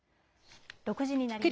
６時になりました。